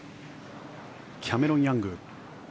キャメロン・ヤング。